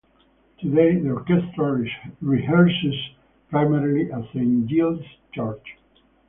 Today, the orchestra rehearses primarily at Saint Giles' Church.